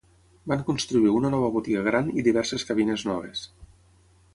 Van construir una nova botiga gran i diverses cabines noves.